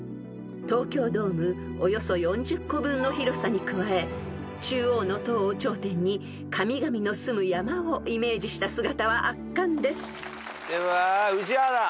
［東京ドームおよそ４０個分の広さに加え中央の塔を頂点に神々のすむ山をイメージした姿は圧巻です］では宇治原。